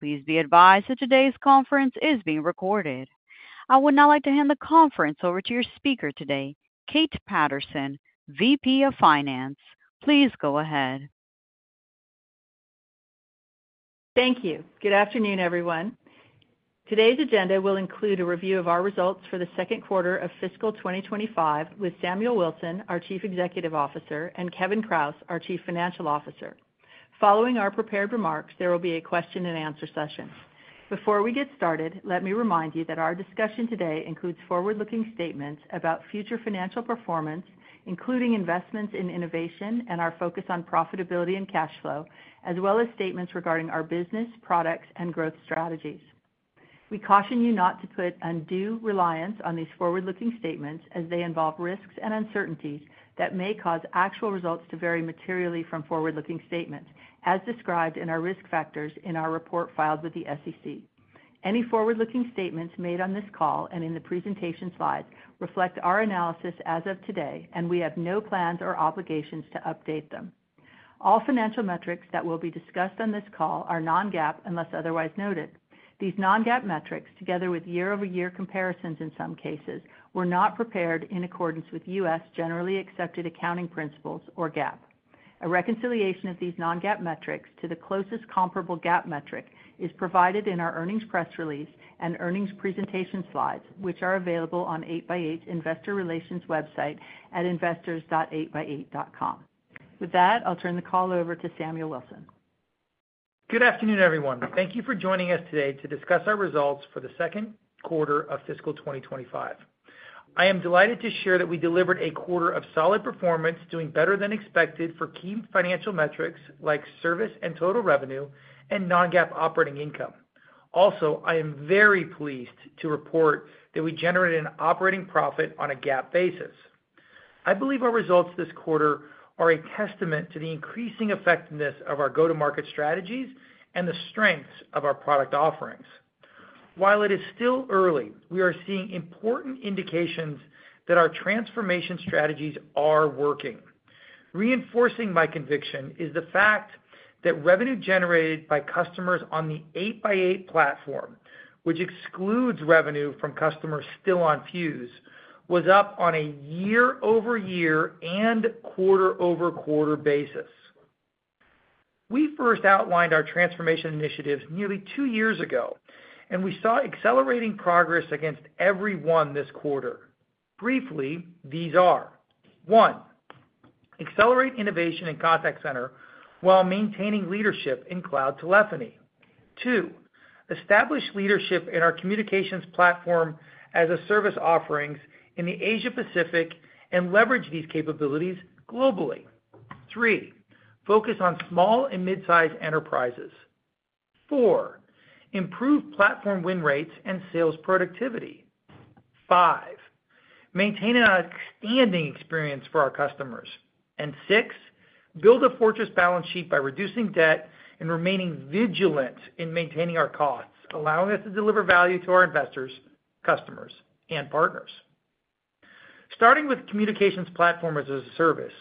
Please be advised that today's conference is being recorded. I would now like to hand the conference over to your speaker today, Kate Patterson, VP of Finance. Please go ahead. Thank you. Good afternoon, everyone. Today's agenda will include a review of our results for the second quarter of fiscal 2025 with Samuel Wilson, our Chief Executive Officer, and Kevin Kraus, our Chief Financial Officer. Following our prepared remarks, there will be a question and answer session. Before we get started, let me remind you that our discussion today includes forward-looking statements about future financial performance, including investments in innovation and our focus on profitability and cash flow, as well as statements regarding our business, products, and growth strategies. We caution you not to put undue reliance on these forward-looking statements as they involve risks and uncertainties that may cause actual results to vary materially from forward-looking statements, as described in our risk factors in our report filed with the SEC. Any forward-looking statements made on this call and in the presentation slides reflect our analysis as of today, and we have no plans or obligations to update them. All financial metrics that will be discussed on this call are non-GAAP unless otherwise noted. These non-GAAP metrics, together with year-over-year comparisons in some cases, were not prepared in accordance with U.S. generally accepted accounting principles or GAAP. A reconciliation of these non-GAAP metrics to the closest comparable GAAP metric is provided in our earnings press release and earnings presentation slides, which are available on 8x8's Investor Relations website at investors.8x8.com. With that, I'll turn the call over to Samuel Wilson. Good afternoon, everyone. Thank you for joining us today to discuss our results for the second quarter of fiscal 2025. I am delighted to share that we delivered a quarter of solid performance, doing better than expected for key financial metrics like service and total revenue and non-GAAP operating income. Also, I am very pleased to report that we generated an operating profit on a GAAP basis. I believe our results this quarter are a testament to the increasing effectiveness of our go-to-market strategies and the strengths of our product offerings. While it is still early, we are seeing important indications that our transformation strategies are working. Reinforcing my conviction is the fact that revenue generated by customers on the 8x8 platform, which excludes revenue from customers still on Fuze, was up on a year-over-year and quarter-over-quarter basis. We first outlined our transformation initiatives nearly two years ago, and we saw accelerating progress against every one this quarter. Briefly, these are: One, accelerate innovation and contact center while maintaining leadership in cloud telephony. Two, establish leadership in our Communications Platform as a Service offerings in the Asia-Pacific and leverage these capabilities globally. Three, focus on small and mid-sized enterprises. Four, improve platform win rates and sales productivity. Five, maintain an outstanding experience for our customers. And six, build a fortress balance sheet by reducing debt and remaining vigilant in maintaining our costs, allowing us to deliver value to our investors, customers, and partners. Starting with Communications Platform as a Service,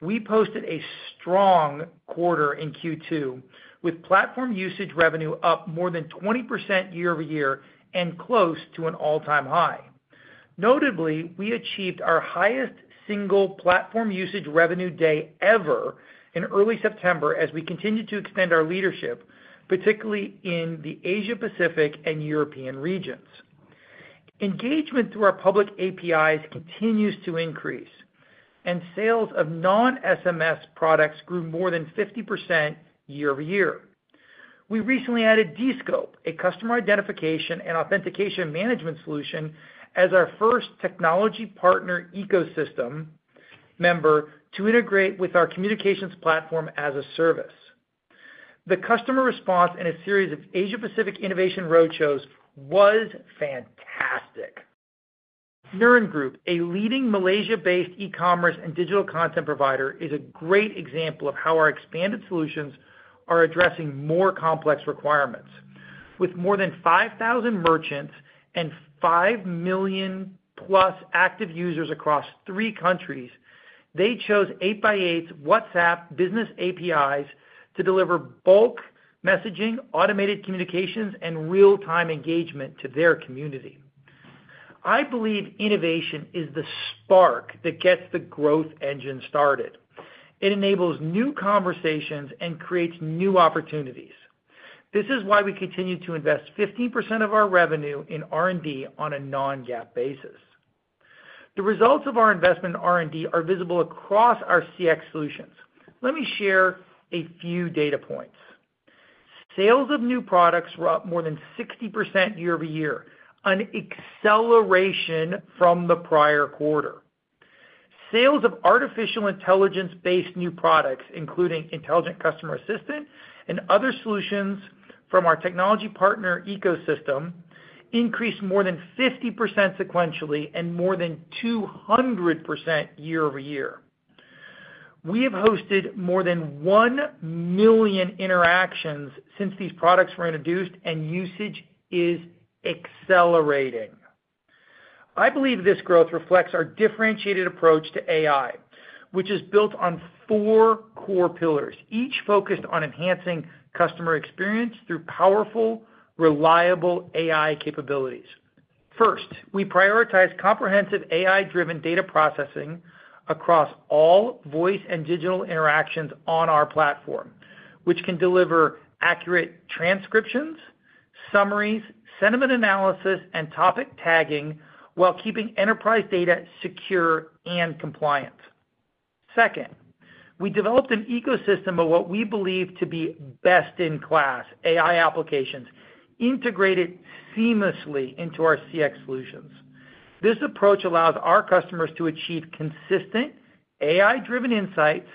we posted a strong quarter in Q2, with platform usage revenue up more than 20% year-over-year and close to an all-time high. Notably, we achieved our highest single platform usage revenue day ever in early September as we continued to extend our leadership, particularly in the Asia-Pacific and European regions. Engagement through our public APIs continues to increase, and sales of non-SMS products grew more than 50% year-over-year. We recently added Descope, a customer identification and authentication management solution, as our first technology partner ecosystem member to integrate with our Communications Platform as a Service. The customer response in a series of Asia-Pacific innovation roadshows was fantastic. Nuren Group, a leading Malaysia-based e-commerce and digital content provider, is a great example of how our expanded solutions are addressing more complex requirements. With more than 5,000 merchants and 5 million-plus active users across three countries, they chose 8x8's WhatsApp Business APIs to deliver bulk messaging, automated communications, and real-time engagement to their community. I believe innovation is the spark that gets the growth engine started. It enables new conversations and creates new opportunities. This is why we continue to invest 15% of our revenue in R&D on a non-GAAP basis. The results of our investment in R&D are visible across our CX solutions. Let me share a few data points. Sales of new products were up more than 60% year-over-year, an acceleration from the prior quarter. Sales of artificial intelligence-based new products, including Intelligent Customer Assistant and other solutions from our technology partner ecosystem, increased more than 50% sequentially and more than 200% year-over-year. We have hosted more than 1 million interactions since these products were introduced, and usage is accelerating. I believe this growth reflects our differentiated approach to AI, which is built on four core pillars, each focused on enhancing customer experience through powerful, reliable AI capabilities. First, we prioritize comprehensive AI-driven data processing across all voice and digital interactions on our platform, which can deliver accurate transcriptions, summaries, sentiment analysis, and topic tagging while keeping enterprise data secure and compliant. Second, we developed an ecosystem of what we believe to be best-in-class AI applications integrated seamlessly into our CX solutions. This approach allows our customers to achieve consistent AI-driven insights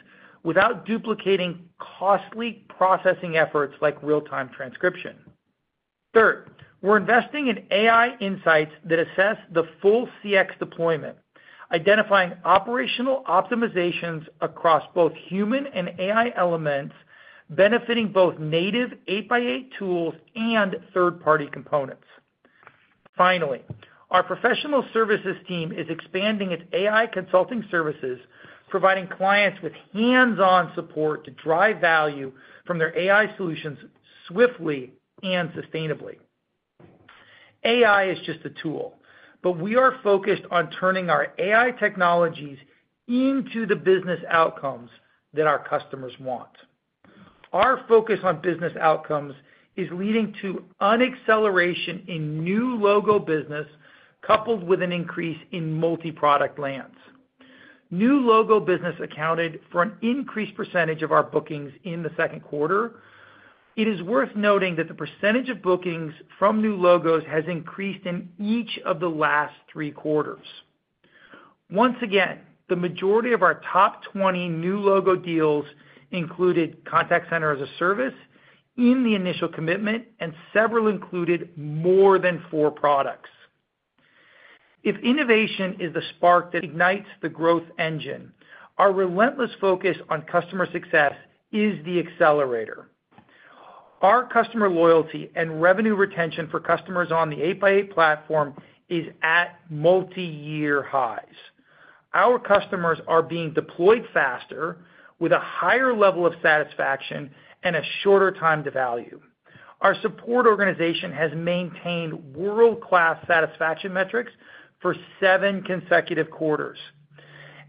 without duplicating costly processing efforts like real-time transcription. Third, we're investing in AI insights that assess the full CX deployment, identifying operational optimizations across both human and AI elements, benefiting both native 8x8 tools and third-party components. Finally, our professional services team is expanding its AI consulting services, providing clients with hands-on support to drive value from their AI solutions swiftly and sustainably. AI is just a tool, but we are focused on turning our AI technologies into the business outcomes that our customers want. Our focus on business outcomes is leading to an acceleration in new logo business, coupled with an increase in multi-product lands. New logo business accounted for an increased percentage of our bookings in the second quarter. It is worth noting that the percentage of bookings from new logos has increased in each of the last three quarters. Once again, the majority of our top 20 new logo deals included Contact Center as a Service in the initial commitment, and several included more than four products. If innovation is the spark that ignites the growth engine, our relentless focus on customer success is the accelerator. Our customer loyalty and revenue retention for customers on the 8x8 platform is at multi-year highs. Our customers are being deployed faster with a higher level of satisfaction and a shorter time to value. Our support organization has maintained world-class satisfaction metrics for seven consecutive quarters.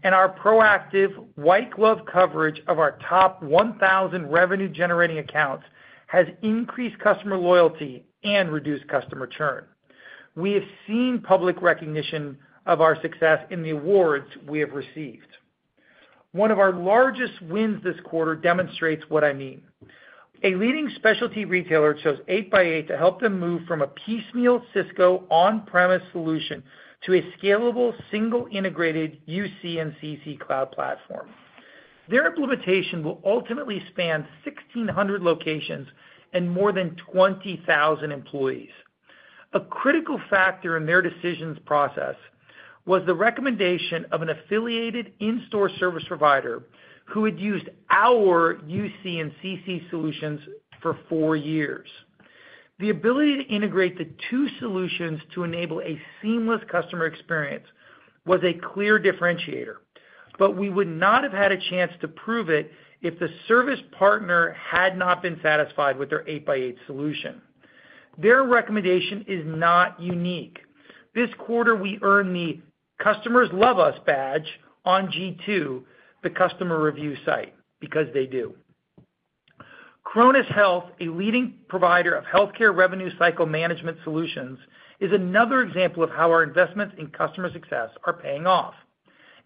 Our proactive white glove coverage of our top 1,000 revenue-generating accounts has increased customer loyalty and reduced customer churn. We have seen public recognition of our success in the awards we have received. One of our largest wins this quarter demonstrates what I mean. A leading specialty retailer chose 8x8 to help them move from a piecemeal Cisco on-premise solution to a scalable single-integrated UC and CC cloud platform. Their implementation will ultimately span 1,600 locations and more than 20,000 employees. A critical factor in their decision process was the recommendation of an affiliated in-store service provider who had used our UC and CC solutions for four years. The ability to integrate the two solutions to enable a seamless customer experience was a clear differentiator, but we would not have had a chance to prove it if the service partner had not been satisfied with their 8x8 solution. Their recommendation is not unique. This quarter, we earned the Customers Love Us badge on G2, the customer review site, because they do. Coronis Health, a leading provider of healthcare revenue cycle management solutions, is another example of how our investments in customer success are paying off.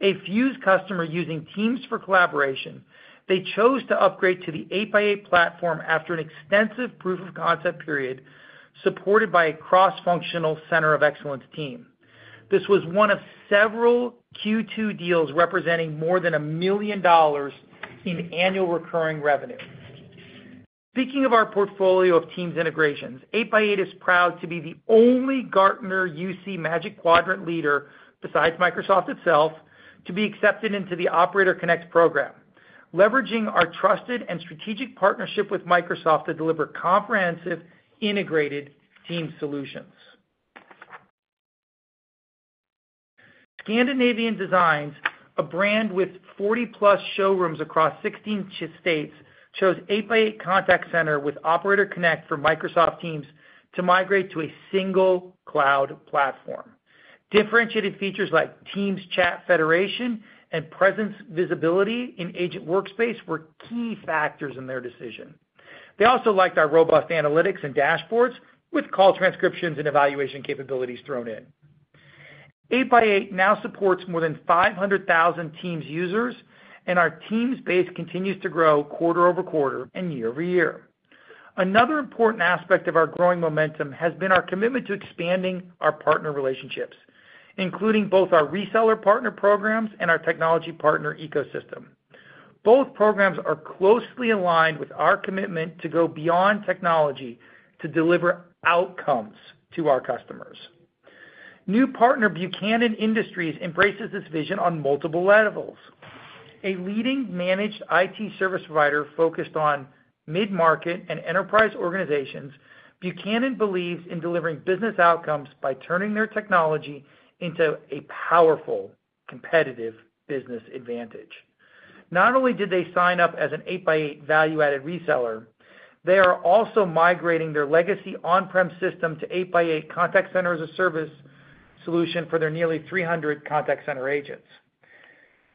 A Fuze customer using Teams for collaboration, they chose to upgrade to the 8x8 platform after an extensive proof of concept period supported by a cross-functional center of excellence team. This was one of several Q2 deals representing more than $1 million in annual recurring revenue. Speaking of our portfolio of Teams integrations, 8x8 is proud to be the only Gartner UC Magic Quadrant leader, besides Microsoft itself, to be accepted into the Operator Connect program, leveraging our trusted and strategic partnership with Microsoft to deliver comprehensive integrated Teams solutions. Scandinavian Designs, a brand with 40-plus showrooms across 16 states, chose 8x8 Contact Center with Operator Connect for Microsoft Teams to migrate to a single cloud platform. Differentiated features like Teams chat federation and presence visibility in Agent Workspace were key factors in their decision. They also liked our robust analytics and dashboards with call transcriptions and evaluation capabilities thrown in. 8x8 now supports more than 500,000 Teams users, and our Teams base continues to grow quarter over quarter and year over year. Another important aspect of our growing momentum has been our commitment to expanding our partner relationships, including both our reseller partner programs and our technology partner ecosystem. Both programs are closely aligned with our commitment to go beyond technology to deliver outcomes to our customers. New partner Buchanan Technologies embraces this vision on multiple levels. A leading managed IT service provider focused on mid-market and enterprise organizations, Buchanan believes in delivering business outcomes by turning their technology into a powerful competitive business advantage. Not only did they sign up as an 8x8 value-added reseller, they are also migrating their legacy on-prem system to 8x8 Contact Center as a Service solution for their nearly 300 contact center agents.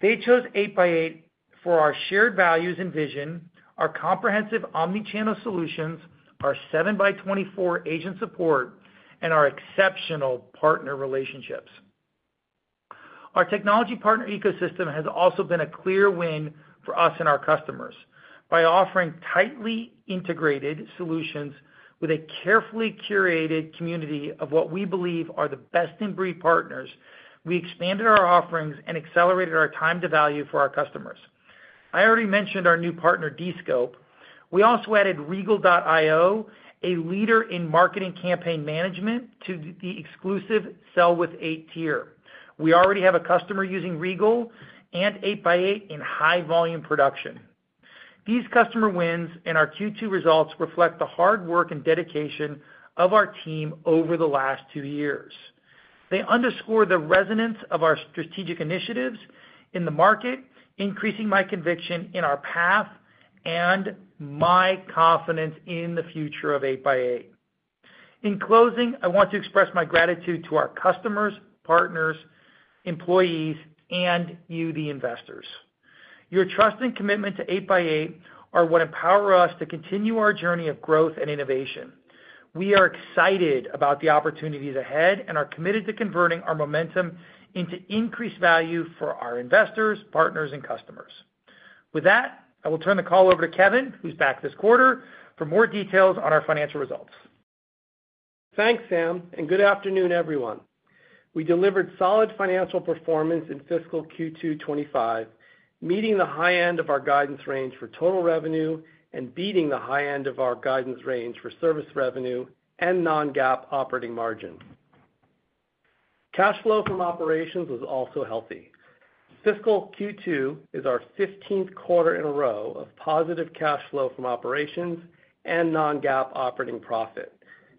They chose 8x8 for our shared values and vision, our comprehensive omnichannel solutions, our 7x24 agent support, and our exceptional partner relationships. Our technology partner ecosystem has also been a clear win for us and our customers. By offering tightly integrated solutions with a carefully curated community of what we believe are the best-in-breed partners, we expanded our offerings and accelerated our time to value for our customers. I already mentioned our new partner Descope. We also added Regal.io, a leader in marketing campaign management, to the exclusive Sell with 8 tier. We already have a customer using Regal and 8x8 in high-volume production. These customer wins in our Q2 results reflect the hard work and dedication of our team over the last two years. They underscore the resonance of our strategic initiatives in the market, increasing my conviction in our path and my confidence in the future of 8x8. In closing, I want to express my gratitude to our customers, partners, employees, and you, the investors. Your trust and commitment to 8x8 are what empower us to continue our journey of growth and innovation. We are excited about the opportunities ahead and are committed to converting our momentum into increased value for our investors, partners, and customers. With that, I will turn the call over to Kevin, who's back this quarter, for more details on our financial results. Thanks, Sam, and good afternoon, everyone. We delivered solid financial performance in fiscal Q2 2025, meeting the high end of our guidance range for total revenue and beating the high end of our guidance range for service revenue and Non-GAAP operating margin. Cash flow from operations was also healthy. Fiscal Q2 is our 15th quarter in a row of positive cash flow from operations and Non-GAAP operating profit,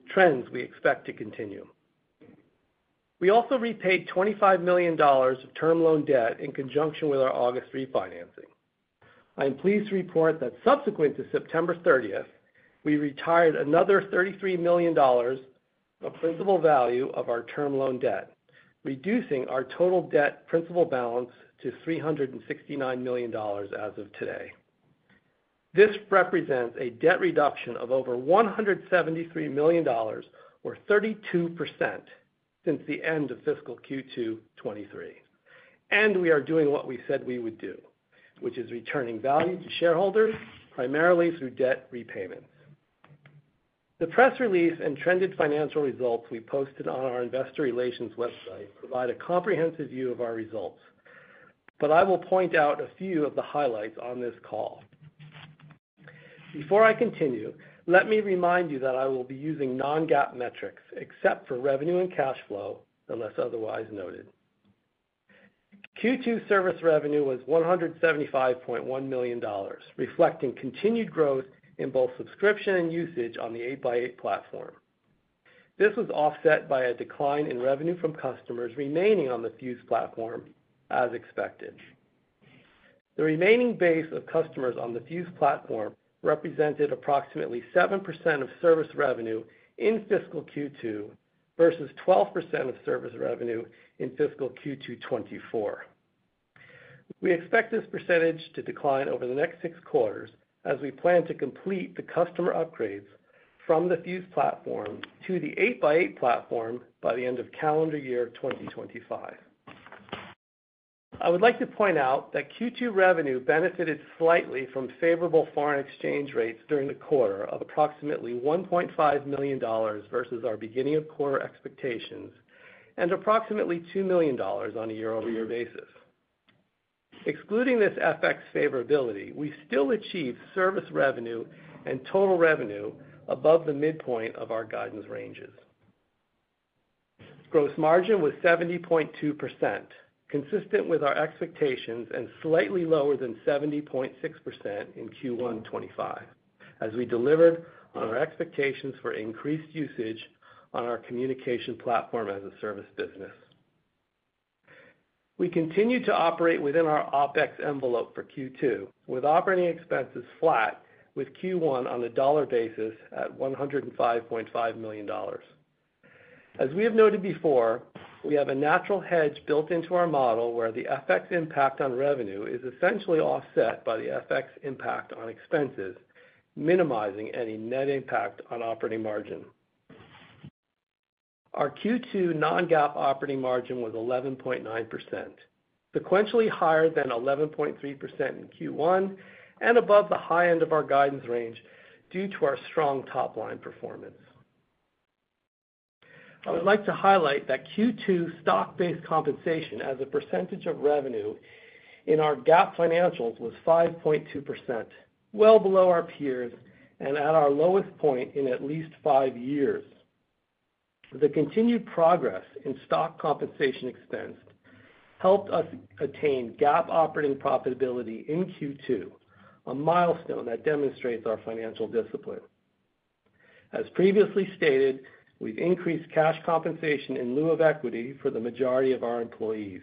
trends we expect to continue. We also repaid $25 million of term loan debt in conjunction with our August refinancing. I am pleased to report that subsequent to September 30th, we retired another $33 million of principal value of our term loan debt, reducing our total debt principal balance to $369 million as of today. This represents a debt reduction of over $173 million, or 32%, since the end of fiscal Q2 2023. And we are doing what we said we would do, which is returning value to shareholders, primarily through debt repayments. The press release and trended financial results we posted on our investor relations website provide a comprehensive view of our results, but I will point out a few of the highlights on this call. Before I continue, let me remind you that I will be using Non-GAAP metrics except for revenue and cash flow, unless otherwise noted. Q2 service revenue was $175.1 million, reflecting continued growth in both subscription and usage on the 8x8 platform. This was offset by a decline in revenue from customers remaining on the Fuze platform, as expected. The remaining base of customers on the Fuze platform represented approximately 7% of service revenue in fiscal Q2 versus 12% of service revenue in fiscal Q2 2024. We expect this percentage to decline over the next six quarters as we plan to complete the customer upgrades from the Fuze platform to the 8x8 platform by the end of calendar year 2025. I would like to point out that Q2 revenue benefited slightly from favorable foreign exchange rates during the quarter of approximately $1.5 million versus our beginning of quarter expectations and approximately $2 million on a year-over-year basis. Excluding this FX favorability, we still achieved service revenue and total revenue above the midpoint of our guidance ranges. Gross margin was 70.2%, consistent with our expectations and slightly lower than 70.6% in Q1 2025, as we delivered on our expectations for increased usage on our communication platform as a service business. We continue to operate within our OpEx envelope for Q2, with operating expenses flat with Q1 on a dollar basis at $105.5 million. As we have noted before, we have a natural hedge built into our model where the FX impact on revenue is essentially offset by the FX impact on expenses, minimizing any net impact on operating margin. Our Q2 non-GAAP operating margin was 11.9%, sequentially higher than 11.3% in Q1 and above the high end of our guidance range due to our strong top-line performance. I would like to highlight that Q2 stock-based compensation as a percentage of revenue in our GAAP financials was 5.2%, well below our peers and at our lowest point in at least five years. The continued progress in stock compensation expense helped us attain GAAP operating profitability in Q2, a milestone that demonstrates our financial discipline. As previously stated, we've increased cash compensation in lieu of equity for the majority of our employees.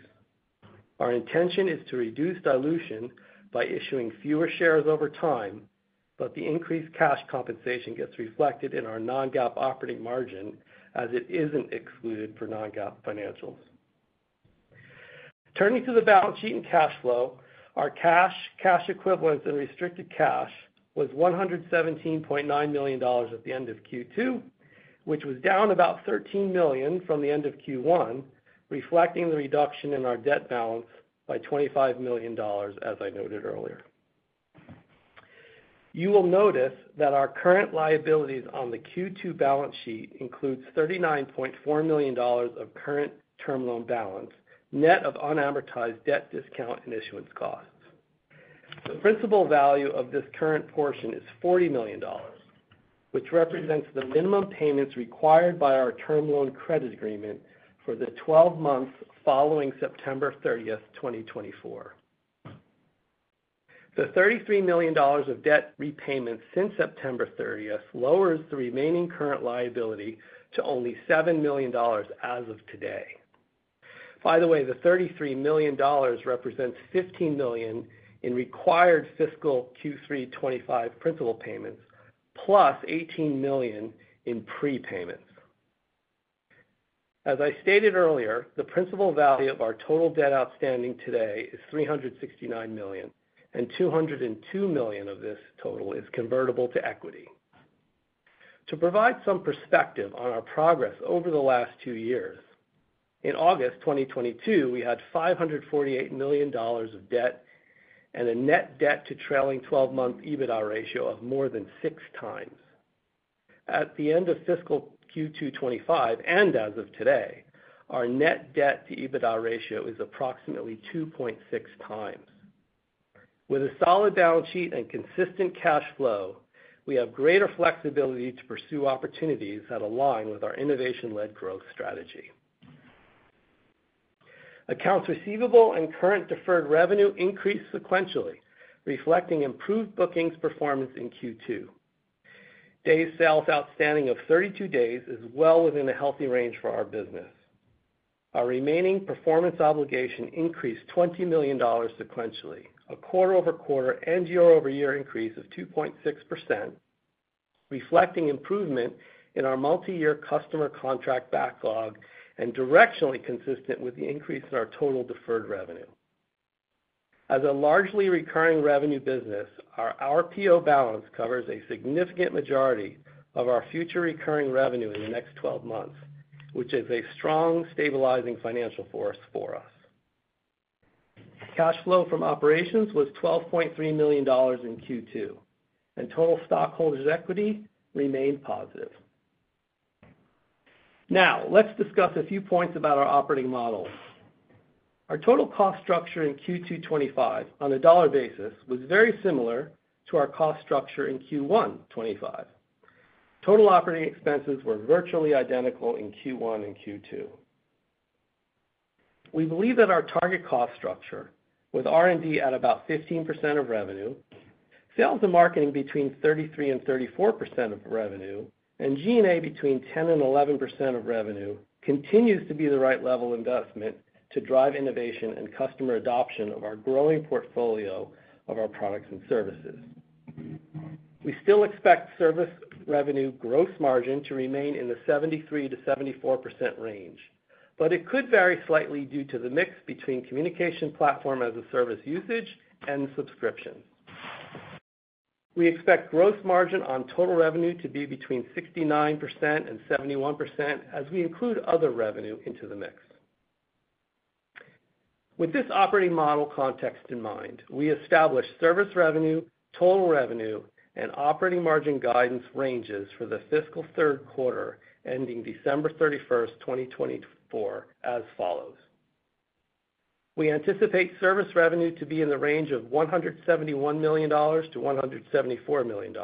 Our intention is to reduce dilution by issuing fewer shares over time, but the increased cash compensation gets reflected in our non-GAAP operating margin as it isn't excluded for non-GAAP financials. Turning to the balance sheet and cash flow, our cash, cash equivalents, and restricted cash was $117.9 million at the end of Q2, which was down about $13 million from the end of Q1, reflecting the reduction in our debt balance by $25 million, as I noted earlier. You will notice that our current liabilities on the Q2 balance sheet include $39.4 million of current term loan balance, net of unamortized debt discount and issuance costs. The principal value of this current portion is $40 million, which represents the minimum payments required by our term loan credit agreement for the 12 months following September 30th, 2024. The $33 million of debt repayments since September 30th lowers the remaining current liability to only $7 million as of today. By the way, the $33 million represents $15 million in required fiscal Q3 2025 principal payments, plus $18 million in prepayments. As I stated earlier, the principal value of our total debt outstanding today is $369 million, and $202 million of this total is convertible to equity. To provide some perspective on our progress over the last two years, in August 2022, we had $548 million of debt and a net debt-to-trailing 12-month EBITDA ratio of more than six times. At the end of fiscal Q2 2025 and as of today, our net debt-to-EBITDA ratio is approximately 2.6x. With a solid balance sheet and consistent cash flow, we have greater flexibility to pursue opportunities that align with our innovation-led growth strategy. Accounts receivable and current deferred revenue increased sequentially, reflecting improved bookings performance in Q2. Days sales outstanding of 32 days is well within a healthy range for our business. Our remaining performance obligation increased $20 million sequentially, a quarter-over-quarter and year-over-year increase of 2.6%, reflecting improvement in our multi-year customer contract backlog and directionally consistent with the increase in our total deferred revenue. As a largely recurring revenue business, our PO balance covers a significant majority of our future recurring revenue in the next 12 months, which is a strong, stabilizing financial force for us. Cash flow from operations was $12.3 million in Q2, and total stockholders' equity remained positive. Now, let's discuss a few points about our operating model. Our total cost structure in Q2 2025 on a dollar basis was very similar to our cost structure in Q1 2025. Total operating expenses were virtually identical in Q1 and Q2. We believe that our target cost structure, with R&D at about 15% of revenue, sales and marketing between 33% and 34% of revenue, and G&A between 10% and 11% of revenue, continues to be the right level of investment to drive innovation and customer adoption of our growing portfolio of our products and services. We still expect service revenue gross margin to remain in the 73%-74% range, but it could vary slightly due to the mix between Communications Platform as a Service usage and subscription. We expect gross margin on total revenue to be between 69% and 71% as we include other revenue into the mix. With this operating model context in mind, we established service revenue, total revenue, and operating margin guidance ranges for the fiscal third quarter ending December 31st, 2024, as follows. We anticipate service revenue to be in the range of $171 million-$174 million.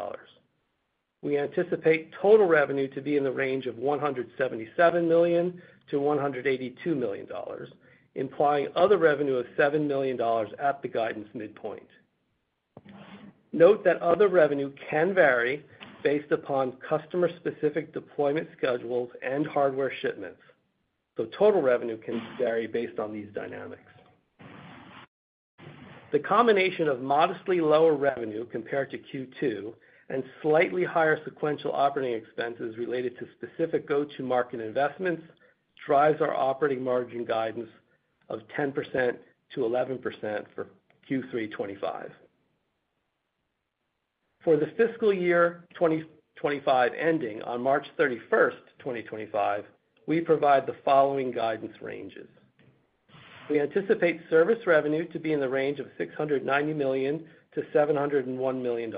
We anticipate total revenue to be in the range of $177 million-$182 million, implying other revenue of $7 million at the guidance midpoint. Note that other revenue can vary based upon customer-specific deployment schedules and hardware shipments, so total revenue can vary based on these dynamics. The combination of modestly lower revenue compared to Q2 and slightly higher sequential operating expenses related to specific go-to-market investments drives our operating margin guidance of 10%-11% for Q3 2025. For the fiscal year 2025 ending on March 31st, 2025, we provide the following guidance ranges. We anticipate service revenue to be in the range of $690 million-$701 million.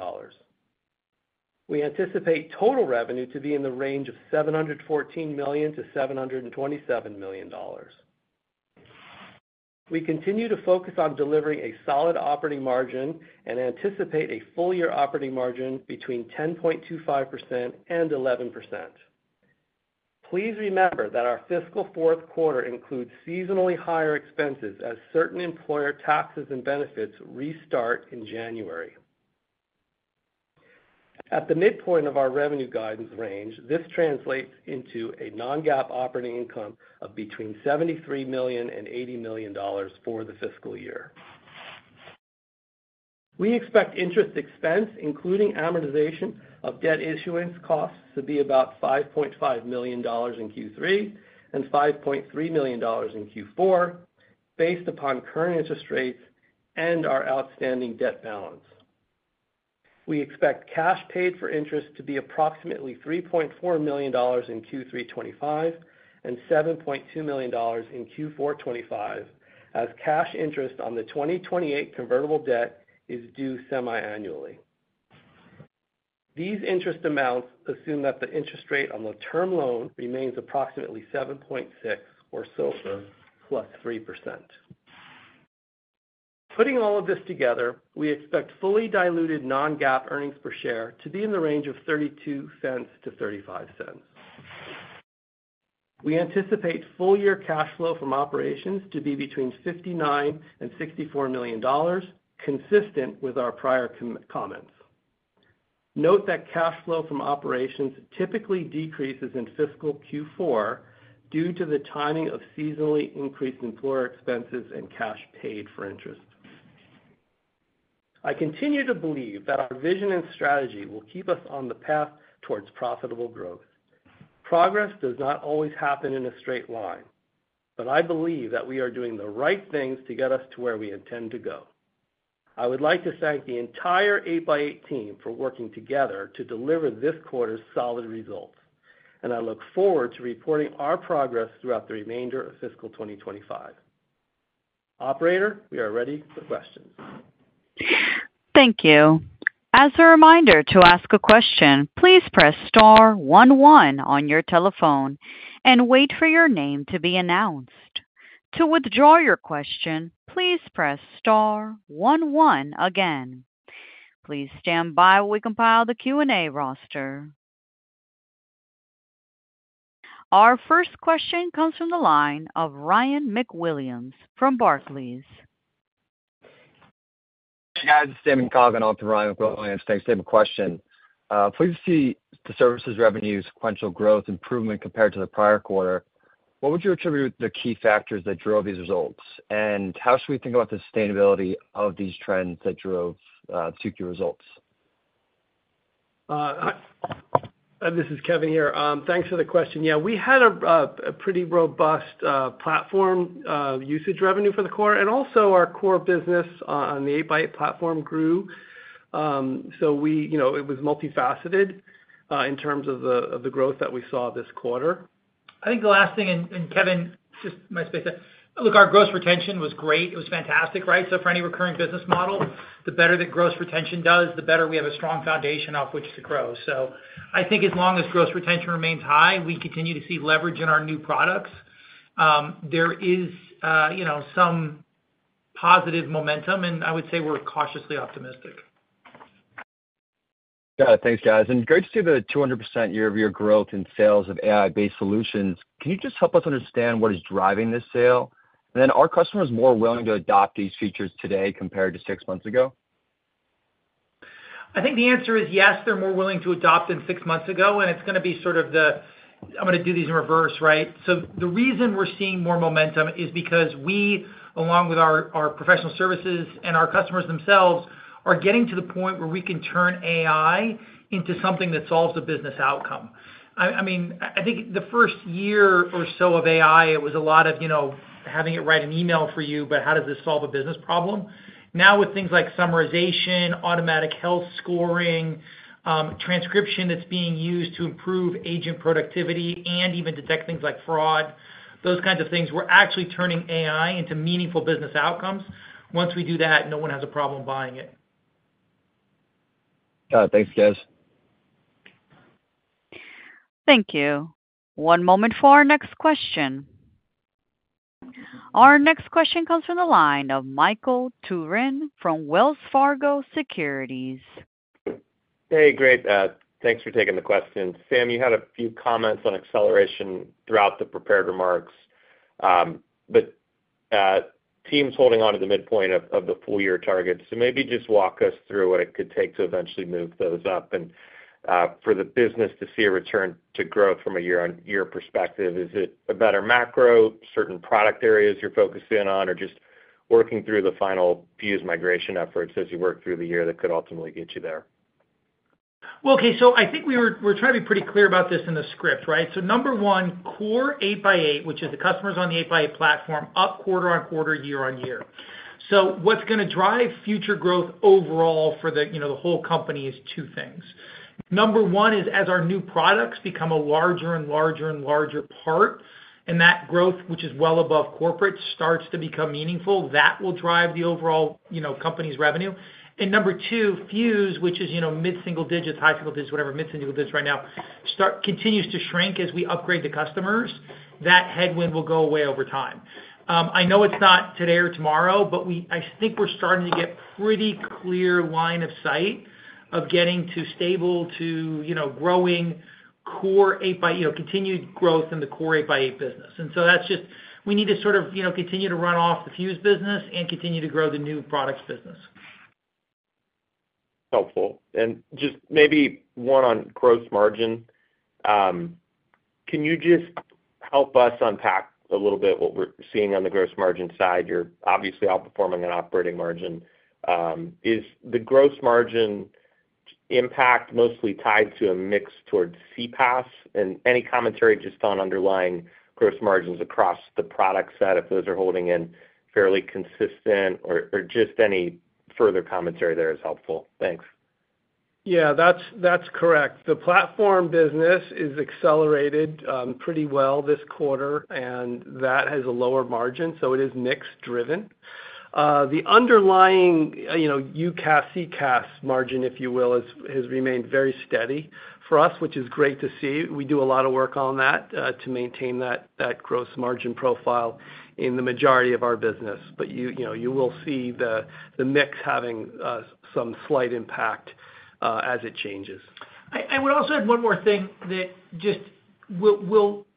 We anticipate total revenue to be in the range of $714 million-$727 million. We continue to focus on delivering a solid operating margin and anticipate a full-year operating margin between 10.25% and 11%. Please remember that our fiscal fourth quarter includes seasonally higher expenses as certain employer taxes and benefits restart in January. At the midpoint of our revenue guidance range, this translates into a non-GAAP operating income of between $73 million-$80 million for the fiscal year. We expect interest expense, including amortization of debt issuance costs, to be about $5.5 million in Q3 and $5.3 million in Q4, based upon current interest rates and our outstanding debt balance. We expect cash paid for interest to be approximately $3.4 million in Q3 2025 and $7.2 million in Q4 2025, as cash interest on the 2028 convertible debt is due semi-annually. These interest amounts assume that the interest rate on the term loan remains approximately 7.6% or so +3%. Putting all of this together, we expect fully diluted non-GAAP earnings per share to be in the range of $0.32-$0.35. We anticipate full-year cash flow from operations to be between $59 and $64 million, consistent with our prior comments. Note that cash flow from operations typically decreases in fiscal Q4 due to the timing of seasonally increased employer expenses and cash paid for interest. I continue to believe that our vision and strategy will keep us on the path towards profitable growth. Progress does not always happen in a straight line, but I believe that we are doing the right things to get us to where we intend to go. I would like to thank the entire 8x8 team for working together to deliver this quarter's solid results, and I look forward to reporting our progress throughout the remainder of fiscal 2025. Operator, we are ready for questions. Thank you. As a reminder to ask a question, please press star one one on your telephone and wait for your name to be announced. To withdraw your question, please press star one one again. Please stand by while we compile the Q&A roster. Our first question comes from the line of Ryan MacWilliams from Barclays. Hey, guys. It's Damon Cogan off the line with Ryan MacWilliams. Thanks for the question. Please see the services revenue sequential growth improvement compared to the prior quarter. What would you attribute the key factors that drove these results? And how should we think about the sustainability of these trends that drove the Q2 results? This is Kevin here. Thanks for the question. Yeah, we had a pretty robust platform usage revenue for the quarter, and also our core business on the 8x8 platform grew. So it was multifaceted in terms of the growth that we saw this quarter. I think the last thing, and Kevin, just my two cents there. Look, our gross retention was great. It was fantastic, right? So for any recurring business model, the better that gross retention does, the better we have a strong foundation off which to grow. So I think as long as gross retention remains high, we continue to see leverage in our new products, there is some positive momentum, and I would say we're cautiously optimistic. Got it. Thanks, guys. And great to see the 200% year-over-year growth in sales of AI-based solutions. Can you just help us understand what is driving this sale? And then are customers more willing to adopt these features today compared to six months ago? I think the answer is yes. They're more willing to adopt than six months ago, and it's going to be sort of the, I'm going to do these in reverse, right? So the reason we're seeing more momentum is because we, along with our professional services and our customers themselves, are getting to the point where we can turn AI into something that solves a business outcome. I mean, I think the first year or so of AI, it was a lot of having it write an email for you, but how does this solve a business problem? Now, with things like summarization, automatic health scoring, transcription that's being used to improve agent productivity, and even detect things like fraud, those kinds of things, we're actually turning AI into meaningful business outcomes. Once we do that, no one has a problem buying it. Got it. Thanks, guys. Thank you. One moment for our next question. Our next question comes from the line of Michael Turrin from Wells Fargo Securities. Hey, great. Thanks for taking the question. Sam, you had a few comments on acceleration throughout the prepared remarks, but the team is holding on to the midpoint of the full-year target, so maybe just walk us through what it could take to eventually move those up, and for the business to see a return to growth from a year-on-year perspective, is it a better macro, certain product areas you're focusing on, or just working through the final few migration efforts as you work through the year that could ultimately get you there? Okay. I think we're trying to be pretty clear about this in the script, right? Number one, core 8x8, which is the customers on the 8x8 platform, up quarter-on-quarter, year-on-year. What's going to drive future growth overall for the whole company is two things. Number one is as our new products become a larger and larger and larger part, and that growth, which is well above corporate, starts to become meaningful, that will drive the overall company's revenue. Number two, Fuze, which is mid-single digits, high single digits, whatever mid-single digits right now, continues to shrink as we upgrade the customers, that headwind will go away over time. I know it's not today or tomorrow, but I think we're starting to get pretty clear line of sight of getting to stable to growing core 8x8, continued growth in the core 8x8 business. And so that's just we need to sort of continue to run off the Fuze business and continue to grow the new products business. Helpful. And just maybe one on gross margin. Can you just help us unpack a little bit what we're seeing on the gross margin side? You're obviously outperforming on operating margin. Is the gross margin impact mostly tied to a mix towards CPaaS? And any commentary just on underlying gross margins across the product set, if those are holding in fairly consistent, or just any further commentary there is helpful. Thanks. Yeah, that's correct. The platform business is accelerated pretty well this quarter, and that has a lower margin, so it is mix-driven. The underlying UCaaS, CCaaS margin, if you will, has remained very steady for us, which is great to see. We do a lot of work on that to maintain that gross margin profile in the majority of our business, but you will see the mix having some slight impact as it changes. I would also add one more thing that just, well,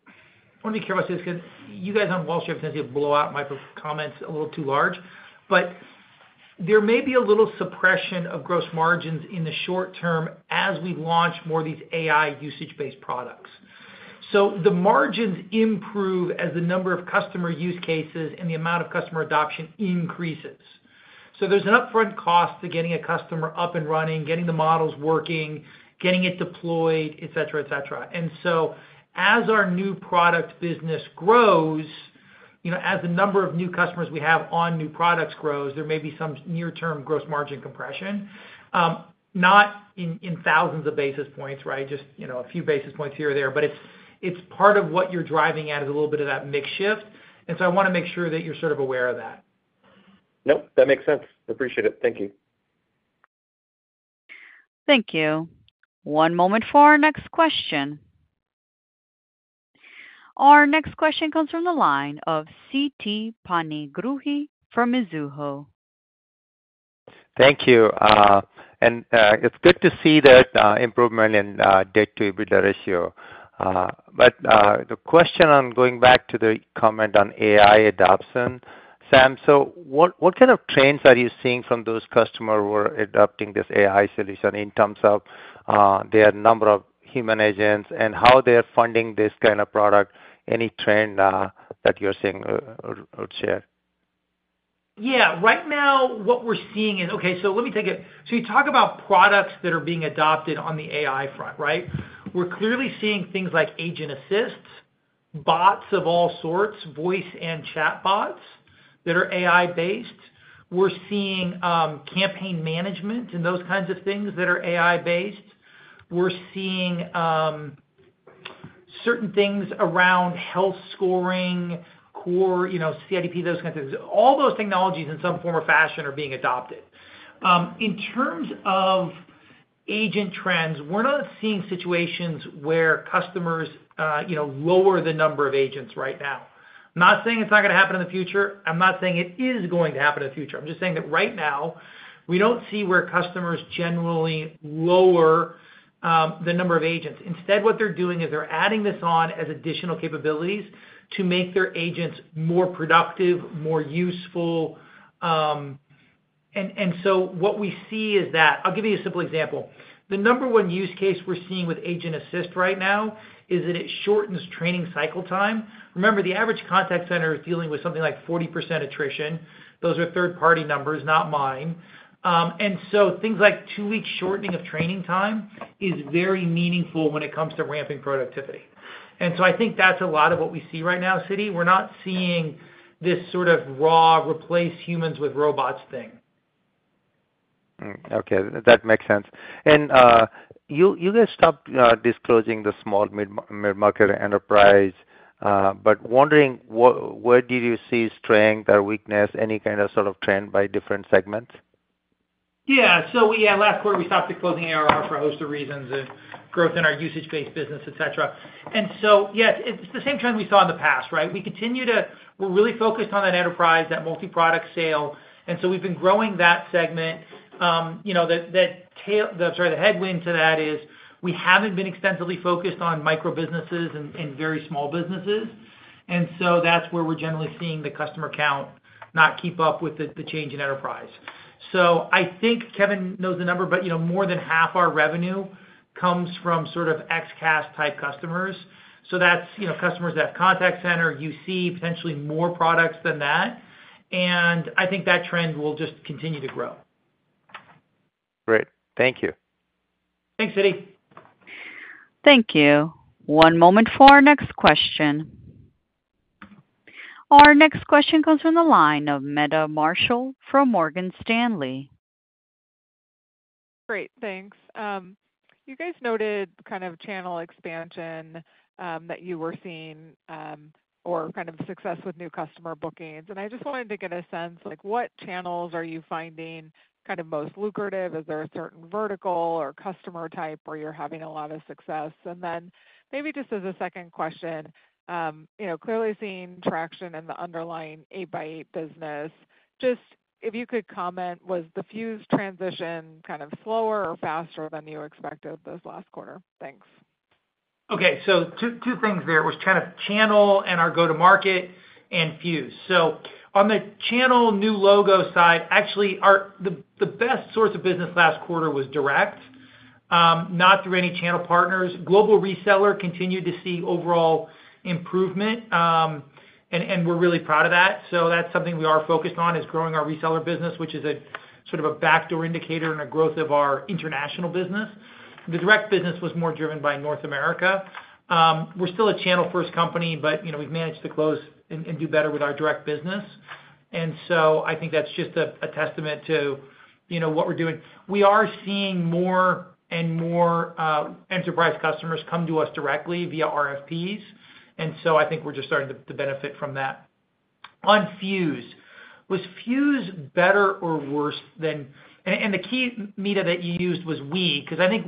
I want to be careful about this because you guys on Wall Street have tended to blow out my comments a little too large, but there may be a little suppression of gross margins in the short term as we launch more of these AI usage-based products. So the margins improve as the number of customer use cases and the amount of customer adoption increases. So there's an upfront cost to getting a customer up and running, getting the models working, getting it deployed, etc., etc. And so as our new product business grows, as the number of new customers we have on new products grows, there may be some near-term gross margin compression, not in thousands of basis points, right? Just a few basis points here or there, but it's part of what you're driving at is a little bit of that mix shift. And so I want to make sure that you're sort of aware of that. Nope. That makes sense. Appreciate it. Thank you. Thank you. One moment for our next question. Our next question comes from the line of Siti Panigrahi from Mizuho. Thank you. And it's good to see that improvement in debt-to-EBITDA ratio. But the question on going back to the comment on AI adoption, Sam, so what kind of trends are you seeing from those customers who are adopting this AI solution in terms of their number of human agents and how they're funding this kind of product? Any trend that you're seeing or share? Yeah. Right now, what we're seeing is, okay, so let me take it. So you talk about products that are being adopted on the AI front, right? We're clearly seeing things like Agent Assists, bots of all sorts, voice and chatbots that are AI-based. We're seeing campaign management and those kinds of things that are AI-based. We're seeing certain things around health scoring, core CDP, those kinds of things. All those technologies in some form or fashion are being adopted. In terms of agent trends, we're not seeing situations where customers lower the number of agents right now. I'm not saying it's not going to happen in the future. I'm not saying it is going to happen in the future. I'm just saying that right now, we don't see where customers generally lower the number of agents. Instead, what they're doing is they're adding this on as additional capabilities to make their agents more productive, more useful, and so what we see is that, I'll give you a simple example. The number one use case we're seeing with Agent Assist right now is that it shortens training cycle time. Remember, the average contact center is dealing with something like 40% attrition. Those are third-party numbers, not mine, and so things like two-week shortening of training time is very meaningful when it comes to ramping productivity, and so I think that's a lot of what we see right now, Siti. We're not seeing this sort of raw replace humans with robots thing. Okay. That makes sense. And you guys stopped disclosing the small mid-market enterprise, but wondering where did you see strength or weakness, any kind of sort of trend by different segments? Yeah. So last quarter, we stopped disclosing ARR for a host of reasons and growth in our usage-based business, etc. And so, yes, it's the same trend we saw in the past, right? We're really focused on that enterprise, that multi-product sale. And so we've been growing that segment. The headwind to that is we haven't been extensively focused on micro businesses and very small businesses. And so that's where we're generally seeing the customer count not keep up with the change in enterprise. So I think Kevin knows the number, but more than half our revenue comes from sort of XCaaS-type customers. So that's customers that have contact center, UC, potentially more products than that. And I think that trend will just continue to grow. Great. Thank you. Thanks, Siti. Thank you. One moment for our next question. Our next question comes from the line of Meta Marshall from Morgan Stanley. Great. Thanks. You guys noted kind of channel expansion that you were seeing or kind of success with new customer bookings. And I just wanted to get a sense of what channels are you finding kind of most lucrative? Is there a certain vertical or customer type where you're having a lot of success? And then maybe just as a second question, clearly seeing traction in the underlying 8x8 business. Just if you could comment, was the Fuze transition kind of slower or faster than you expected this last quarter? Thanks. Okay. So two things there. It was kind of channel and our go-to-market and Fuze. So on the channel new logo side, actually, the best source of business last quarter was direct, not through any channel partners. Global reseller continued to see overall improvement, and we're really proud of that. So that's something we are focused on is growing our reseller business, which is sort of a backdoor indicator in the growth of our international business. The direct business was more driven by North America. We're still a channel-first company, but we've managed to close and do better with our direct business. And so I think that's just a testament to what we're doing. We are seeing more and more enterprise customers come to us directly via RFPs. And so I think we're just starting to benefit from that. On Fuze, was Fuze better or worse than, and the key metric that you used was we because I think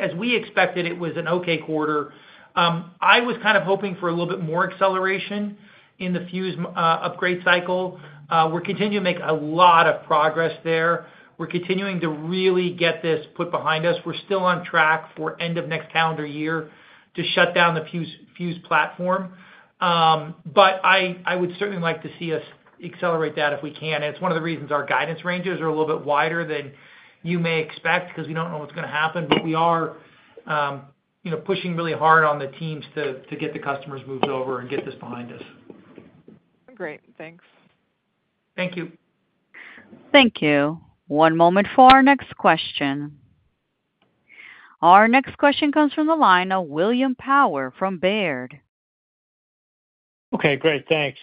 as we expected, it was an okay quarter. I was kind of hoping for a little bit more acceleration in the Fuze upgrade cycle. We're continuing to make a lot of progress there. We're continuing to really get this put behind us. We're still on track for end of next calendar year to shut down the Fuze platform. But I would certainly like to see us accelerate that if we can, and it's one of the reasons our guidance ranges are a little bit wider than you may expect because we don't know what's going to happen, but we are pushing really hard on the teams to get the customers moved over and get this behind us. Great. Thanks. Thank you. Thank you. One moment for our next question. Our next question comes from the line of William Power from Baird. Okay. Great. Thanks.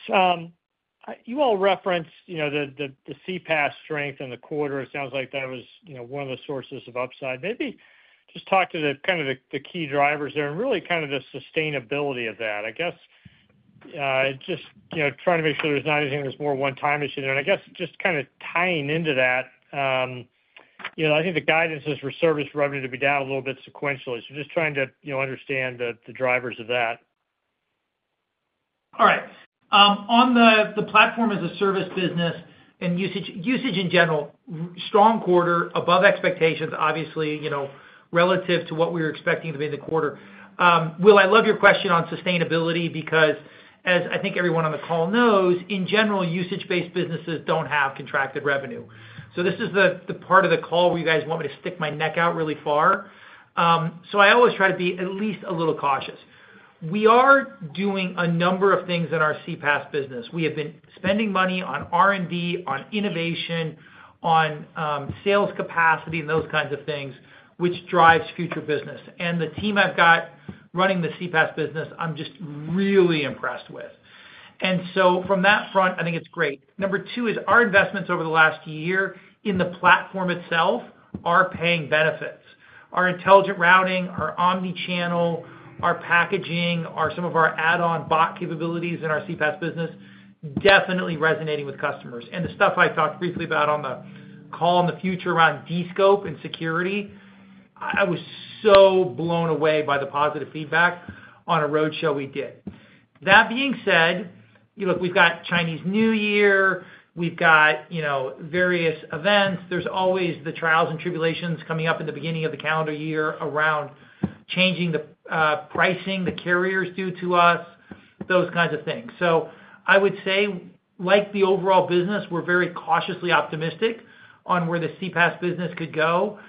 You all referenced the CPaaS strength in the quarter. It sounds like that was one of the sources of upside. Maybe just talk to kind of the key drivers there and really kind of the sustainability of that. I guess just trying to make sure there's not anything that's more one-time issue there. And I guess just kind of tying into that, I think the guidance is for service revenue to be down a little bit sequentially. So just trying to understand the drivers of that. All right. On the platform as a service business and usage in general, strong quarter, above expectations, obviously, relative to what we were expecting to be in the quarter. Will, I love your question on sustainability because, as I think everyone on the call knows, in general, usage-based businesses don't have contracted revenue. So this is the part of the call where you guys want me to stick my neck out really far. So I always try to be at least a little cautious. We are doing a number of things in our CPaaS business. We have been spending money on R&D, on innovation, on sales capacity, and those kinds of things, which drives future business. And the team I've got running the CPaaS business, I'm just really impressed with. And so from that front, I think it's great. Number two is our investments over the last year in the platform itself are paying benefits. Our intelligent routing, our omnichannel, our packaging, some of our add-on bot capabilities in our CPaaS business, definitely resonating with customers, and the stuff I talked briefly about on the call in the future around Descope and security, I was so blown away by the positive feedback on a roadshow we did. That being said, we've got Chinese New Year. We've got various events. There's always the trials and tribulations coming up in the beginning of the calendar year around changing the pricing the carriers do to us, those kinds of things. So I would say, like the overall business, we're very cautiously optimistic on where the CPaaS business could go.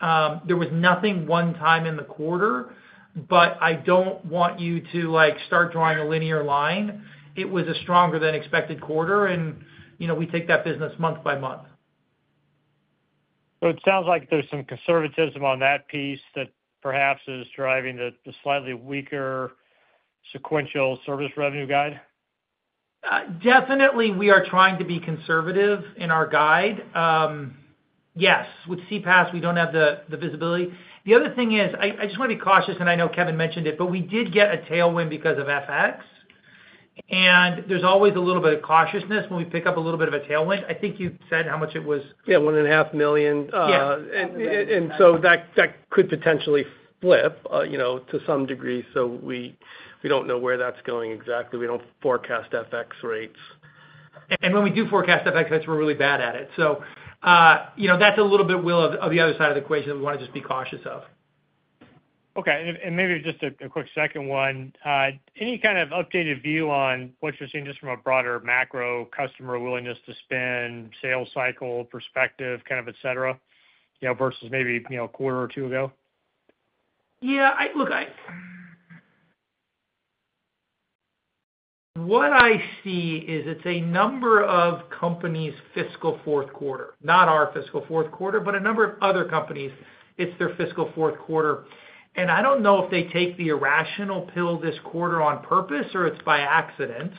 There was nothing one time in the quarter, but I don't want you to start drawing a linear line. It was a stronger-than-expected quarter, and we take that business month by month. So it sounds like there's some conservatism on that piece that perhaps is driving the slightly weaker sequential service revenue guide. Definitely, we are trying to be conservative in our guide. Yes. With CPaaS, we don't have the visibility. The other thing is I just want to be cautious, and I know Kevin mentioned it, but we did get a tailwind because of FX, and there's always a little bit of cautiousness when we pick up a little bit of a tailwind. I think you said how much it was. Yeah, $1.5 million. Yeah. And so that could potentially flip to some degree. So we don't know where that's going exactly. We don't forecast FX rates. When we do forecast FX rates, we're really bad at it. So that's a little bit wild on the other side of the equation that we want to just be cautious of. Okay. And maybe just a quick second one. Any kind of updated view on what you're seeing just from a broader macro customer willingness to spend, sales cycle perspective, kind of etc., versus maybe a quarter or two ago? Yeah. Look, what I see is it's a number of companies' fiscal fourth quarter. Not our fiscal fourth quarter, but a number of other companies. It's their fiscal fourth quarter, and I don't know if they take the irrational pill this quarter on purpose or it's by accident,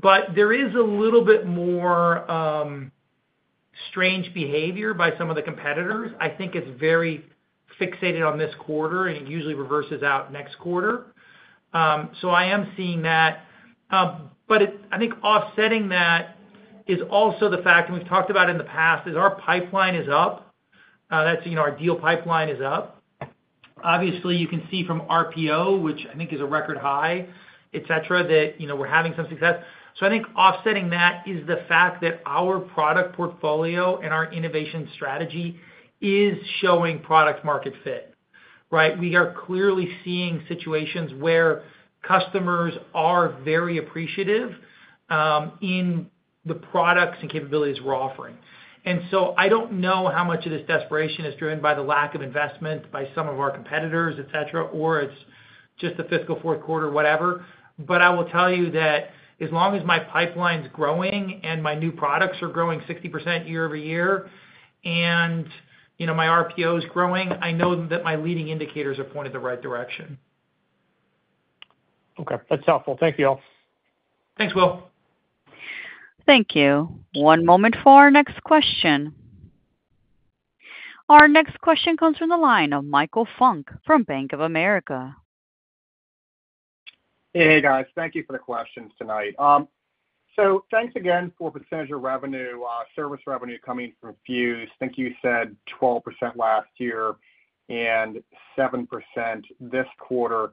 but there is a little bit more strange behavior by some of the competitors. I think it's very fixated on this quarter, and it usually reverses out next quarter. So I am seeing that, but I think offsetting that is also the fact that we've talked about in the past is our pipeline is up. That's our deal pipeline is up. Obviously, you can see from RPO, which I think is a record high, etc., that we're having some success, so I think offsetting that is the fact that our product portfolio and our innovation strategy is showing product-market fit, right? We are clearly seeing situations where customers are very appreciative in the products and capabilities we're offering, and so I don't know how much of this desperation is driven by the lack of investment by some of our competitors, etc., or it's just the fiscal fourth quarter, whatever, but I will tell you that as long as my pipeline's growing and my new products are growing 60% year-over-year and my RPO is growing, I know that my leading indicators are pointed the right direction. Okay. That's helpful. Thank you all. Thanks, Will. Thank you. One moment for our next question. Our next question comes from the line of Michael Funk from Bank of America. Hey, guys. Thank you for the questions tonight. So thanks again for percentage of revenue, service revenue coming from Fuze. I think you said 12% last year and 7% this quarter.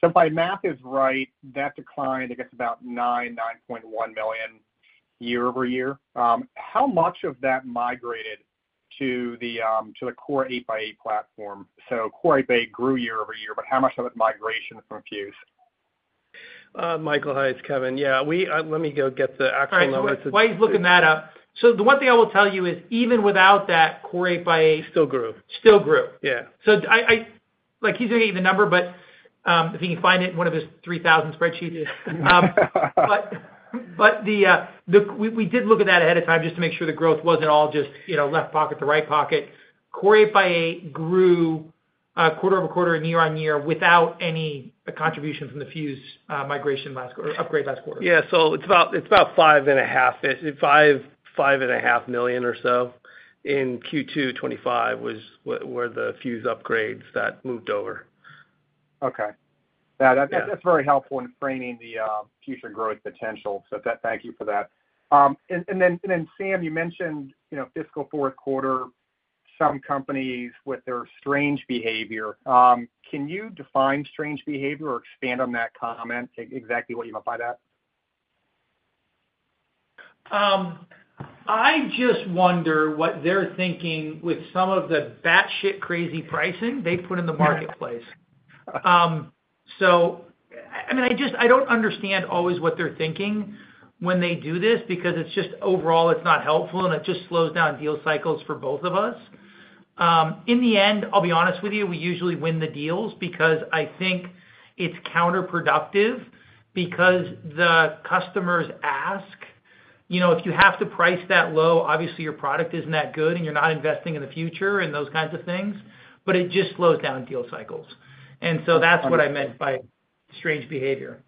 So if my math is right, that decline, I guess, about $9 million-$9.1 million year-over-year. How much of that migrated to the core 8x8 platform? So core 8x8 grew year over year, but how much of that migration from Fuze? Michael, it's Kevin. Yeah. Let me go get the actual numbers. While he's looking that up. So the one thing I will tell you is even without that core 8x8. Still grew. Still grew. Yeah. So he's going to give you the number, but if you can find it in one of his 3,000 spreadsheets. But we did look at that ahead of time just to make sure the growth wasn't all just left pocket to right pocket. Core 8x8 grew quarter over quarter and year-on-year without any contribution from the Fuze migration upgrade last quarter. Yeah. So it's about $5.5 million or so in Q2 2025 was where the Fuze upgrades that moved over. Okay. Yeah. That's very helpful in framing the future growth potential. So thank you for that. And then, Sam, you mentioned fiscal fourth quarter, some companies with their strange behavior. Can you define strange behavior or expand on that comment, exactly what you meant by that? I just wonder what they're thinking with some of the batshit crazy pricing they put in the marketplace. So I mean, I don't understand always what they're thinking when they do this because it's just overall, it's not helpful, and it just slows down deal cycles for both of us. In the end, I'll be honest with you, we usually win the deals because I think it's counterproductive because the customers ask if you have to price that low, obviously, your product isn't that good, and you're not investing in the future and those kinds of things, but it just slows down deal cycles. And so that's what I meant by strange behavior.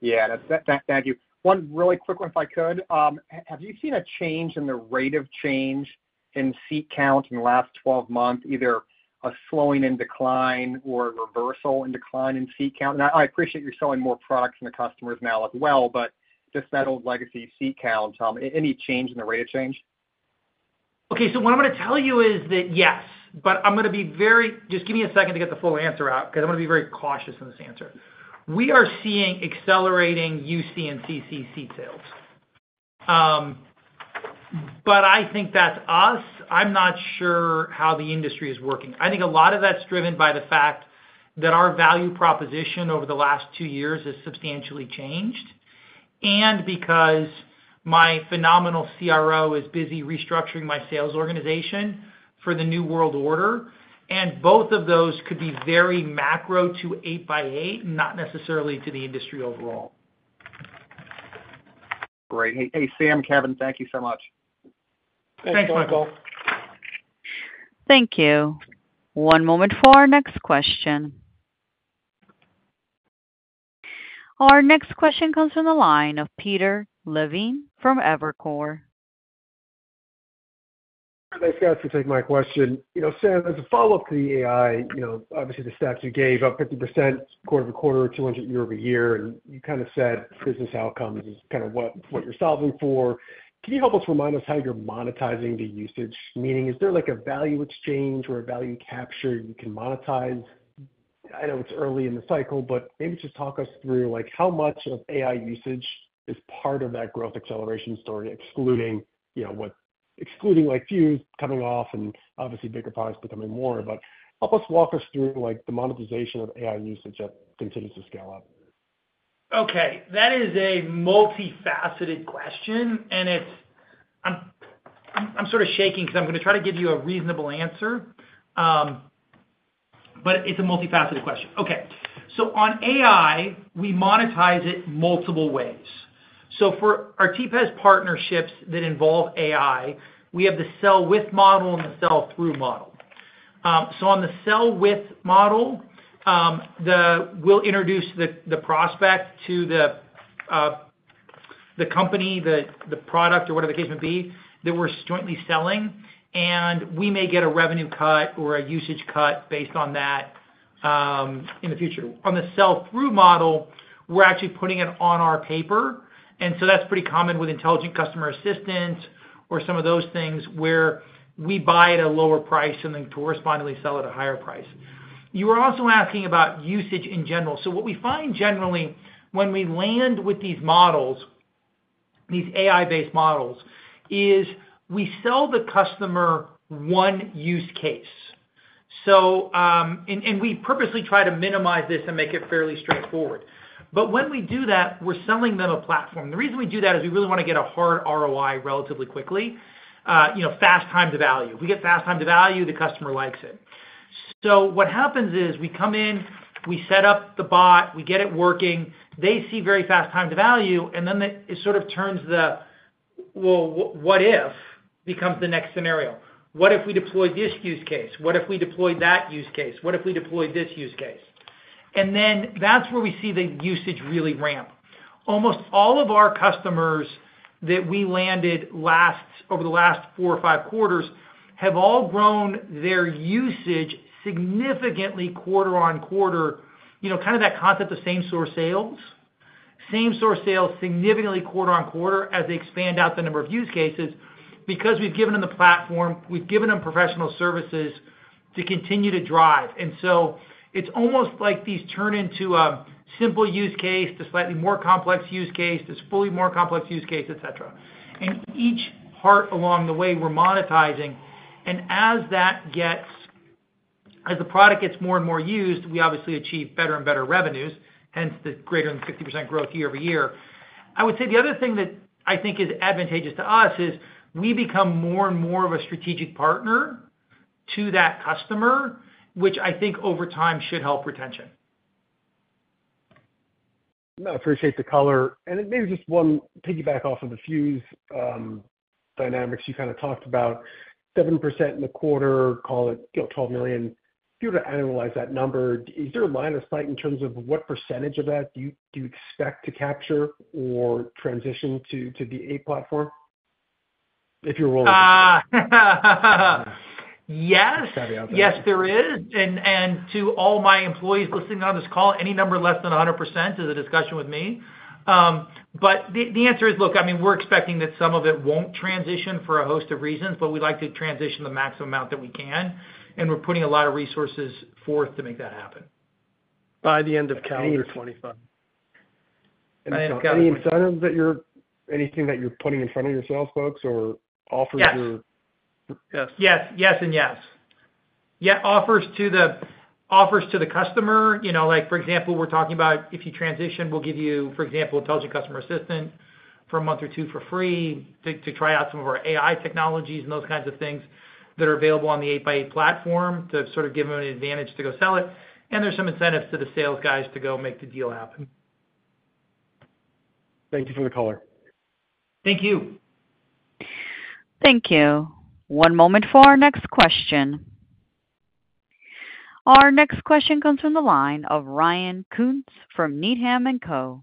Yeah. Thank you. One really quick one, if I could. Have you seen a change in the rate of change in seat count in the last 12 months, either a slowing in decline or a reversal in decline in seat count? And I appreciate you're selling more products to the customers now as well, but just that old legacy seat count, any change in the rate of change? Okay. So what I'm going to tell you is that yes, but I'm going to be very, just give me a second to get the full answer out because I'm going to be very cautious in this answer. We are seeing accelerating UC and CCaaS sales. But I think that's us. I'm not sure how the industry is working. I think a lot of that's driven by the fact that our value proposition over the last two years has substantially changed and because my phenomenal CRO is busy restructuring my sales organization for the new world order. And both of those could be very macro to 8x8, not necessarily to the industry overall. Great. Hey, Sam, Kevin, thank you so much. Thanks, Michael. Thank you. One moment for our next question. Our next question comes from the line of Peter Levine from Evercore. Thanks for taking my question. Sam, as a follow-up to the AI, obviously, the stats you gave up 50% quarter-over-quarter or 200% year-over-year. And you kind of said business outcomes is kind of what you're solving for. Can you help us remind us how you're monetizing the usage? Meaning, is there a value exchange or a value capture you can monetize? I know it's early in the cycle, but maybe just talk us through how much of AI usage is part of that growth acceleration story, excluding Fuze coming off and obviously bigger products becoming more. But help us walk us through the monetization of AI usage that continues to scale up. Okay. That is a multifaceted question, and I'm sort of shaking because I'm going to try to give you a reasonable answer, but it's a multifaceted question. Okay. So on AI, we monetize it multiple ways. So for our CPaaS partnerships that involve AI, we have the sell-with model and the sell-through model. So on the sell-with model, we'll introduce the prospect to the company, the product, or whatever the case may be that we're jointly selling, and we may get a revenue cut or a usage cut based on that in the future. On the sell-through model, we're actually putting it on our paper. And so that's pretty common with Intelligent Customer Assistance or some of those things where we buy at a lower price and then correspondingly sell at a higher price. You were also asking about usage in general. What we find generally when we land with these models, these AI-based models, is we sell the customer one use case. We purposely try to minimize this and make it fairly straightforward. When we do that, we're selling them a platform. The reason we do that is we really want to get a hard ROI relatively quickly, fast time to value. If we get fast time to value, the customer likes it. What happens is we come in, we set up the bot, we get it working, they see very fast time to value, and then it sort of turns the, "Well, what if?" becomes the next scenario. What if we deploy this use case? What if we deploy that use case? What if we deploy this use case? Then that's where we see the usage really ramp. Almost all of our customers that we landed over the last four or five quarters have all grown their usage significantly quarter on quarter, kind of that concept of same-store sales, same-store sales significantly quarter on quarter as they expand out the number of use cases because we've given them the platform, we've given them professional services to continue to drive. And so it's almost like these turn into a simple use case, a slightly more complex use case, a fully more complex use case, etc. And each part along the way, we're monetizing. And as the product gets more and more used, we obviously achieve better and better revenues, hence the greater than 50% growth year-over-year. I would say the other thing that I think is advantageous to us is we become more and more of a strategic partner to that customer, which I think over time should help retention. I appreciate the color. And maybe just one piggyback off of the Fuze dynamics you kind of talked about, 7% in the quarter, call it $12 million. If you were to analyze that number, is there a line of sight in terms of what percentage of that do you expect to capture or transition to the 8x8 platform if you're rolling? Yes. Have you had that? Yes, there is. And to all my employees listening on this call, any number less than 100% is a discussion with me. But the answer is, look, I mean, we're expecting that some of it won't transition for a host of reasons, but we'd like to transition the maximum amount that we can. And we're putting a lot of resources forth to make that happen. By the end of calendar 2025. Any incentives that you're putting in front of your sales folks or offers? Yes. Yes. Yes. Yes and yes. Yeah. Offers to the customer. For example, we're talking about if you transition, we'll give you, for example, Intelligent Customer Assistant for a month or two for free to try out some of our AI technologies and those kinds of things that are available on the 8x8 platform to sort of give them an advantage to go sell it. And there's some incentives to the sales guys to go make the deal happen. Thank you for the color. Thank you. Thank you. One moment for our next question. Our next question comes from the line of Ryan Koontz from Needham & Co.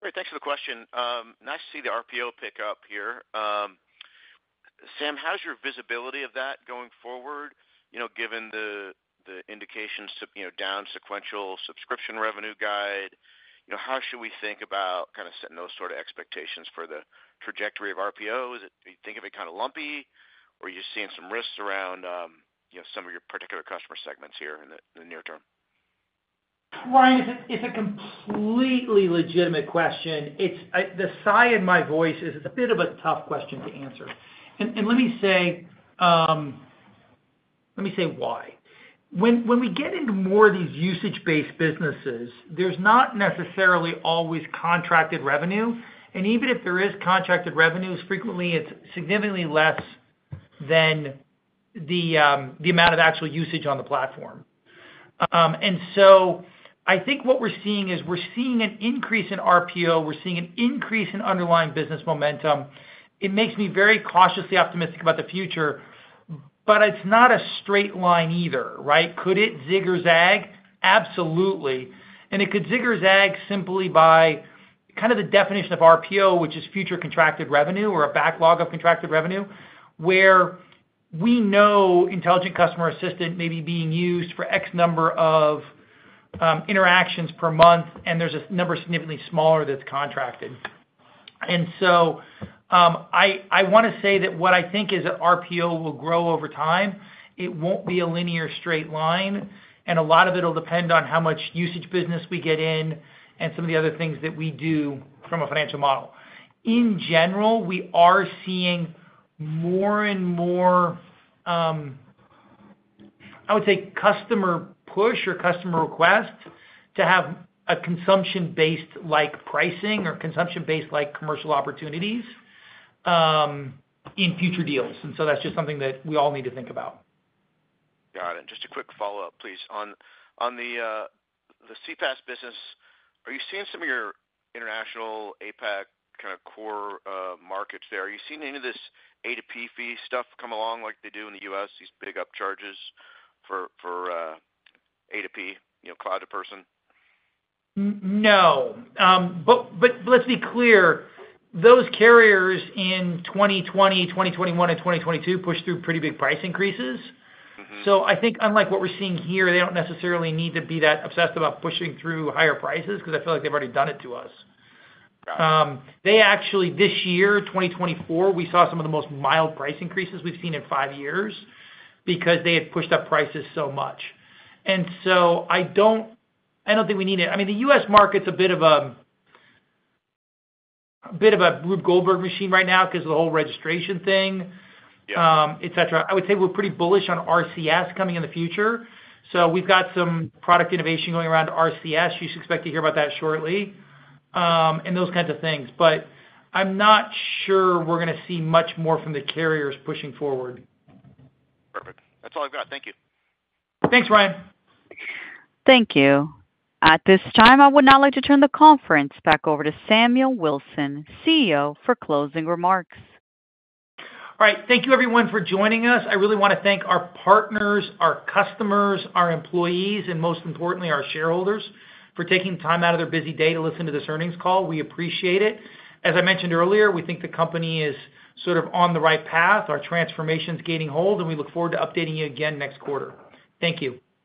Great. Thanks for the question. Nice to see the RPO pick up here. Sam, how's your visibility of that going forward, given the indications down sequential subscription revenue guide? How should we think about kind of setting those sort of expectations for the trajectory of RPO? Do you think of it kind of lumpy, or are you just seeing some risks around some of your particular customer segments here in the near term? Ryan, it's a completely legitimate question. The sigh in my voice is it's a bit of a tough question to answer. And let me say why. When we get into more of these usage-based businesses, there's not necessarily always contracted revenue. And even if there is contracted revenue, frequently, it's significantly less than the amount of actual usage on the platform. And so I think what we're seeing is we're seeing an increase in RPO. We're seeing an increase in underlying business momentum. It makes me very cautiously optimistic about the future, but it's not a straight line either, right? Could it zig or zag? Absolutely. And it could zig or zag simply by kind of the definition of RPO, which is future contracted revenue or a backlog of contracted revenue, where we know Intelligent Customer Assistant may be being used for X number of interactions per month, and there's a number significantly smaller that's contracted. And so I want to say that what I think is that RPO will grow over time. It won't be a linear straight line, and a lot of it will depend on how much usage business we get in and some of the other things that we do from a financial model. In general, we are seeing more and more. I would say, customer push or customer request to have a consumption-based-like pricing or consumption-based-like commercial opportunities in future deals. And so that's just something that we all need to think about. Got it. And just a quick follow-up, please. On the CPaaS business, are you seeing some of your international APAC kind of core markets there? Are you seeing any of this A2P fee stuff come along like they do in the U.S., these big up charges for A2P, cloud to person? No. But let's be clear. Those carriers in 2020, 2021, and 2022 pushed through pretty big price increases. So I think unlike what we're seeing here, they don't necessarily need to be that obsessed about pushing through higher prices because I feel like they've already done it to us. They actually, this year, 2024, we saw some of the most mild price increases we've seen in five years because they had pushed up prices so much. And so I don't think we need it. I mean, the U.S. market's a bit of a Rube Goldberg machine right now because of the whole registration thing, etc. I would say we're pretty bullish on RCS coming in the future. So we've got some product innovation going around RCS. You should expect to hear about that shortly and those kinds of things. But I'm not sure we're going to see much more from the carriers pushing forward. Perfect. That's all I've got. Thank you. Thanks, Ryan. Thank you. At this time, I would now like to turn the conference back over to Samuel Wilson, CEO, for closing remarks. All right. Thank you, everyone, for joining us. I really want to thank our partners, our customers, our employees, and most importantly, our shareholders for taking time out of their busy day to listen to this earnings call. We appreciate it. As I mentioned earlier, we think the company is sort of on the right path. Our transformation's gaining hold, and we look forward to updating you again next quarter. Thank you.